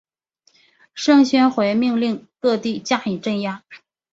盛宣怀命令各地加以镇压。